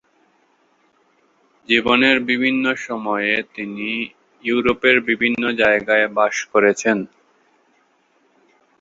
জীবনের বিভিন্ন সময়ে তিনি ইউরোপের বিভিন্ন জায়গায় বাস করেছেন।